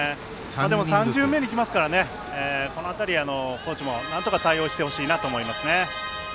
でも３巡目にいきますからこの辺りは、高知もなんとか対応してほしいなと思いますね。